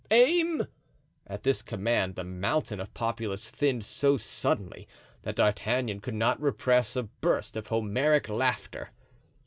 Aim——" At this command the mountain of populace thinned so suddenly that D'Artagnan could not repress a burst of Homeric laughter.